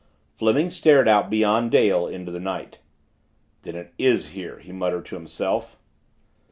Fleming stared out beyond Dale, into the night. "Then it is here," he muttered to himself.